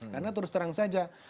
karena terus terang saja